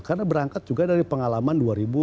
karena berangkat juga dari pengalaman dua ribu empat